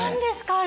あれ。